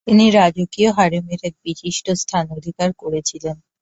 তিনি রাজকীয় হারেমের এক বিশিষ্ট স্থান অধিকার করেছিলেন।